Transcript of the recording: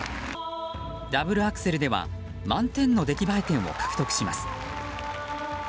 ダブルアクセルでは満点の出来栄え点を獲得します。